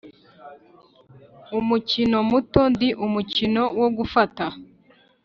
"umukino muto ndi umukino wo gufata,